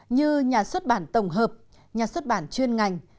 như nhà xuất bản tổng hợp nhà xuất bản chuyên ngành